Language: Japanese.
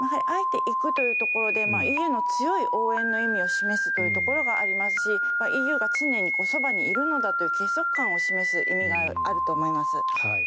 あえて行くというところでＥＵの強い応援の意味を示すというところがありますしＥＵが常にそばにいるんだという結束感を示す意味があると思います。